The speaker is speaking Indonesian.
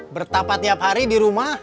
bertapa tiap hari di rumah